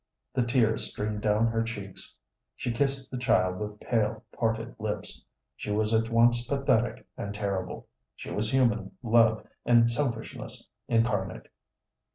The tears streamed down her cheeks; she kissed the child with pale, parted lips. She was at once pathetic and terrible. She was human love and selfishness incarnate.